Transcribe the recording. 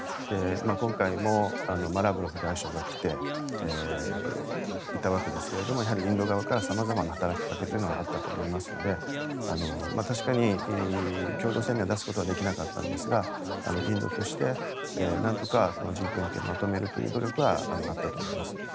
今回も、ラブロフ外相が来ていたわけですがやはりインド側から様々な働きかけはあったと思いますので確かに、共同声明を出すことはできなかったんですがインドとして、なんとかこのＧ２０をまとめるという努力はあったと思います。